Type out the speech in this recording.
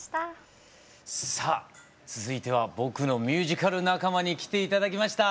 さあ続いては僕のミュージカル仲間に来て頂きました。